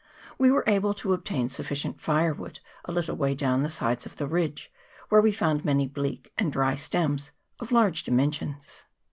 We were able to obtain suf ficient fire wood a little way down the sides of the ridge, where we found many bleak and dry stems of large dimensions.